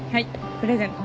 プレゼント。